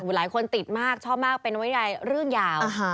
หลายคนติดมากชอบมากเป็นไว้ในเรื่องยาว